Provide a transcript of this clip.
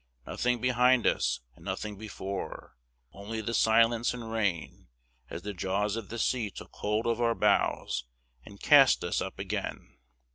Nothing behind us, and nothing before, Only the silence and rain, As the jaws of the sea took hold of our bows And cast us up again.